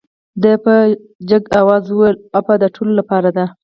ده په لوړ آواز وویل عفوه د ټولو لپاره ده.